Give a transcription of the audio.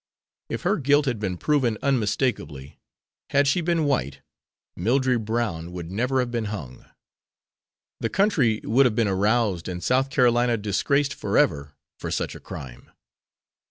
If her guilt had been proven unmistakably, had she been white, Mildrey Brown would never have been hung. The country would have been aroused and South Carolina disgraced forever for such a crime.